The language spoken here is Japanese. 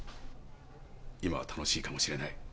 今は楽しいかも知れない。